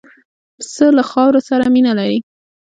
پسه له خاورو سره مینه لري.